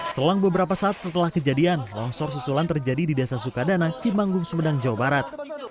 selang beberapa saat setelah kejadian longsor susulan terjadi di desa sukadana cimanggung sumedang jawa barat